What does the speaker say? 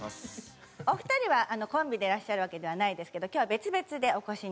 お二人はコンビでらっしゃるわけではないですけど今日は別々でお越しに？